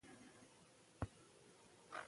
افغانستان په ګاز غني دی.